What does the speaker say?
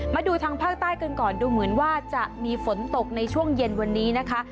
มาดูทางภาคใต้กันก่อนดูเหมือนว่าจะมีฝนตกในช่วงเย็นวันนี้นะคะ